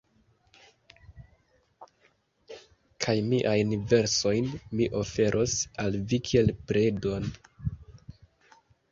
Kaj miajn versojn mi oferos al vi kiel predon.